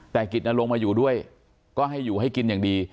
แต่กิจนลงมาอยู่ด้วยก็ให้อยู่ให้กินอย่างดี